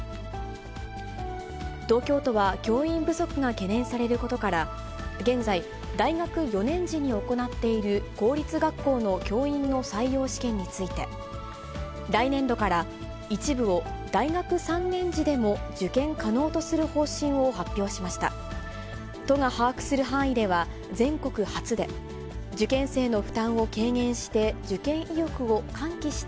東京都は、教員不足が懸念されることから、現在、大学４年時に行っている公立学校の教員の採用試験について、来年度から一部を大学３年時でも受験可能とする方針を発表しました。